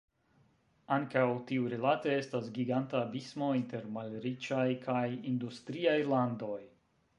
Ankaŭ tiurilate estas giganta abismo inter malriĉaj kaj industriaj landoj.